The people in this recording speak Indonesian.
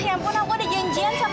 ya ampun aku ada janjian sama